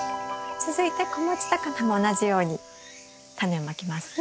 続いて子持ちタカナも同じようにタネをまきますね。